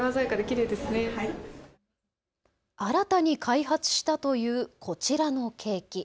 新たに開発したというこちらのケーキ。